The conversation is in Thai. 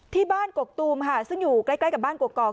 ที่บ้านกกตูมค่ะซึ่งอยู่ใกล้ใกล้กับบ้านกอกกอก